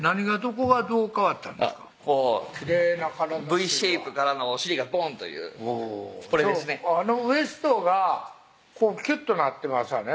こうＶシェイプからのお尻がボンというこれですねウエストがキュッとなってますわね